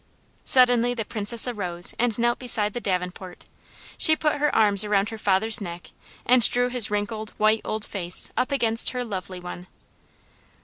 Suddenly the Princess arose and knelt beside the davenport. She put her arms around her father's neck and drew his wrinkled, white old face up against her lovely one.